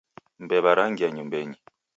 Mbew'a rangia nyumbenyi